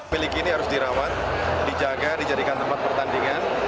pilih kini harus dirawat dijaga dijadikan tempat pertandingan